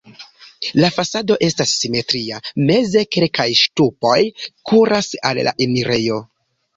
La fasado estas simetria, meze kelkaj ŝtupoj kuras al la enirejo.